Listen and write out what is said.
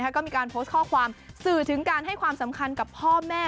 ก็มีการโพสต์ข้อความสื่อถึงการให้ความสำคัญกับพ่อแม่